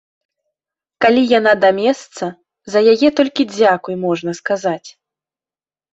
Калі яна да месца, за яе толькі дзякуй можна сказаць.